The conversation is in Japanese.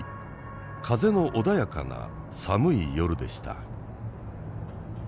風の穏やかな寒い夜でした。